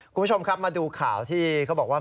คุณผู้ชมครับมาดูข่าวที่เขาบอกว่า